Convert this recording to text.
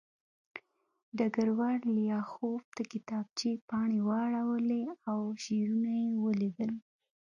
ډګروال لیاخوف د کتابچې پاڼې واړولې او شعرونه یې ولیدل